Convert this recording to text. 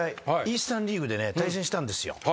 イースタン・リーグでね対戦したんですよ。